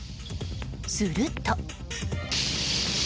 すると。